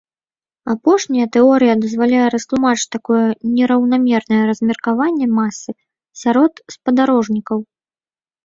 Апошняя тэорыя дазваляе растлумачыць такое нераўнамернае размеркаванне масы сярод спадарожнікаў.